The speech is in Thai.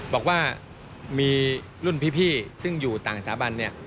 บอกว่ามีรุ่นพี่ซึ่งอยู่ต่างสถาบันเนี่ย